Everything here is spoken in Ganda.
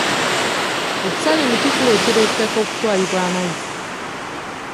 Okusala emiti kuleetera ettaka okutwalibwa amazzi.